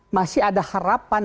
masih ada harapan